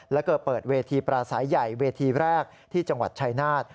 แล้วก็เปิดเวทีปราศัยใหญ่เวทีแรกที่จังหวัดชายนาฏ